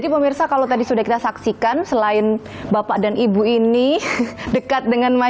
ibu boleh ikutan kalau mau nyanyi